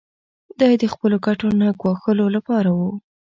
دا یې د خپلو ګټو نه ګواښلو لپاره و.